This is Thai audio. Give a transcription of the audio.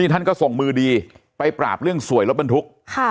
นี่ท่านก็ส่งมือดีไปปราบเรื่องสวยรถบันทุกข์ค่ะ